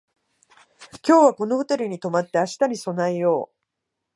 今日はこのホテルに泊まって明日に備えよう